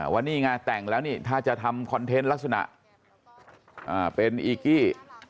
ว่านี่ไงแต่งแล้วนี่ถ้าจะทำคอนเทนต์ลักษณะเป็นอีกกี้